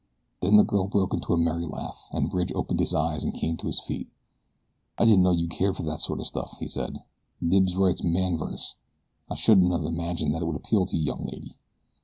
Then the girl broke into a merry laugh and Bridge opened his eyes and came to his feet. "I didn't know you cared for that sort of stuff," he said. "Knibbs writes man verse. I shouldn't have imagined that it would appeal to a young lady."